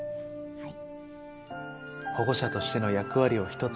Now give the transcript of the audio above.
はい。